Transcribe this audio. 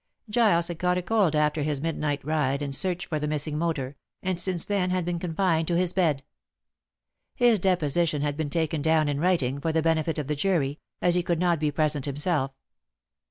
Giles had caught a cold after his midnight ride and search for the missing motor, and since then had been confined to his bed. His deposition had been taken down in writing, for the benefit of the jury, as he could not be present himself.